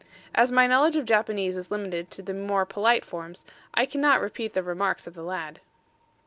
As my knowledge of Japanese is limited to the more polite forms, I cannot repeat the remarks of the lad.